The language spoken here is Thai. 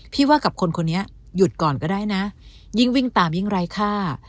ว่ากับคนคนนี้หยุดก่อนก็ได้นะยิ่งวิ่งตามยิ่งไร้ค่า